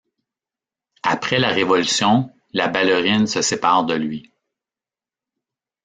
Après la Révolution, la ballerine se sépare de lui.